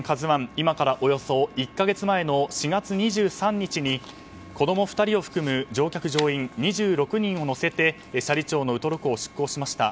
今からおよそ１か月前の４月２３日に子供２人を含む乗客・乗員２２人を乗せて斜里町のウトロ漁港を出港しました。